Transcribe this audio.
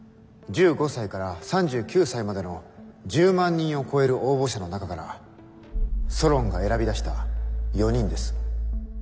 １５才から３９才までの１０万人を超える応募者の中からソロンが選び出した４人です。